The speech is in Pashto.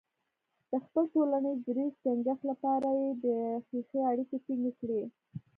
د خپل ټولنیز دریځ ټینګښت لپاره یې د خیښۍ اړیکې ټینګې کړې.